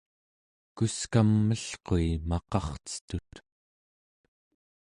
kuskam melqui maqarcetut